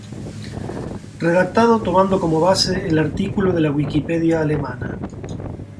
Redactado tomando como base el artículo de la Wikipedia alemana.